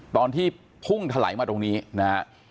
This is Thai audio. ตอนที่พุ่งถลายมาตรงนี้นะฮะ